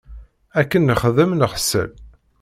Akken nexdem, neḥṣel.